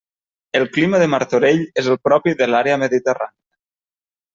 El clima de Martorell és el propi de l'àrea mediterrània.